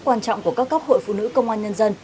quan trọng của các cấp hội phụ nữ công an nhân dân